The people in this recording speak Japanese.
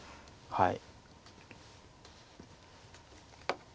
はい。